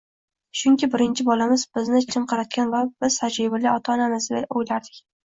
chunki birinchi bolamiz bizni chiniqtirgan va biz “tajribali” ota-onamiz, deb o‘ylardik.